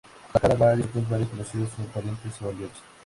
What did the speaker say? Para cada barí, los otros barí conocidos son parientes o aliados.